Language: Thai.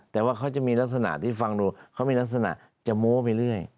แต่ว่าเขาจะมีลักษณะที่ฟังดูเขามีลักษณะจะโม้ไปเรื่อย